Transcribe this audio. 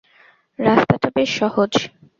রাস্তাটা বেশ সহজ।